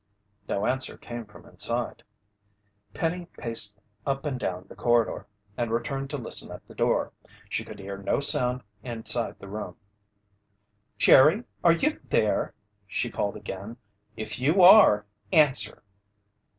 No answer came from inside. Penny paced up and down the corridor and returned to listen at the door. She could hear no sound inside the room. "Jerry, are you there?" she called again. "If you are, answer!"